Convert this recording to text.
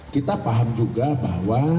kita paham juga bahwa